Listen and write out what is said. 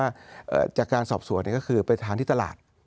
จากการสอบสวนก็คือไปทานที่ตลาด